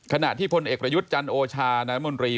ขณะที่พลเอกประยุทธ์จันโอชานายมนตรี